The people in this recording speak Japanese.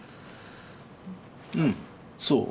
うんそう。